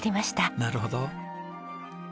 なるほど。